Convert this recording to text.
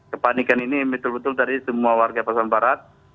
kepanikan ini betul betul tadi semua warga pasar barat